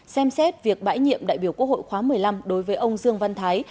xem xét việc bãi nhiệm đại biểu quốc hội khóa một mươi năm đối với ông dương văn thái